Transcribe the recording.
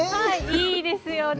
いいですよね。